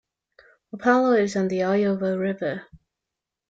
Wapello is on the Iowa River.